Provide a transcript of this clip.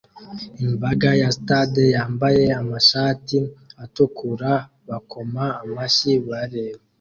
Imbaga ya stade yambaye amashati atukura bakoma amashyi bareba